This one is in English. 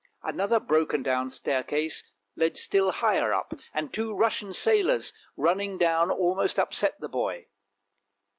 Another broken down staircase led still higher up, and two Russian sailors running down almost upset the boy.